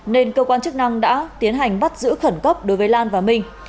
nên cơ quan chức năng đã tiến hành bắt giữ khẩn cấp đối với lan và minh